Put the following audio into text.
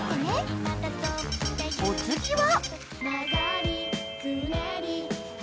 ［お次は？］